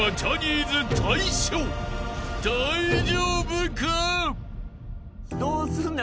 ［大丈夫か？］